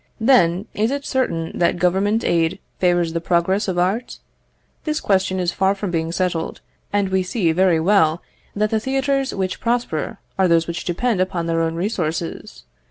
Then, is it certain that Government aid favours the progress of art? This question is far from being settled, and we see very well that the theatres which prosper are those which depend upon their own resources.